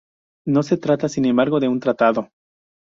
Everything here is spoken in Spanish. No se trata, sin embargo, de un tratado.